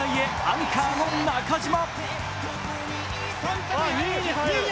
アンカーの中島。